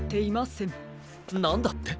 なんだって？